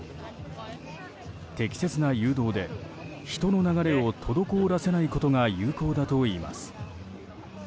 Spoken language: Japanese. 適切な誘導で人の流れを滞らせないことが有効だといいます。